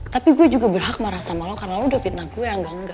tapi saya juga berhak marah dengan anda karena anda sudah menipu saya